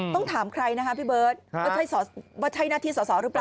ต้องถามใครนะคะพี่เบิร์ตว่าใช่หน้าที่สอสอหรือเปล่า